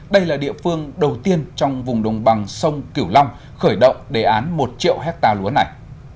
đây là địa phương đầu tiên trong vùng đồng bằng sông cửu long khởi động đề án một triệu hectare lúa này